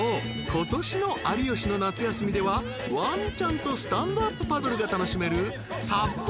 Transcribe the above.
ことしの『有吉の夏休み』ではワンちゃんとスタンドアップパドルが楽しめるＳＵＰ